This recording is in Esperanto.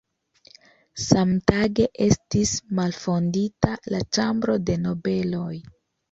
Samtage estis malfondita la Ĉambro de Nobeloj.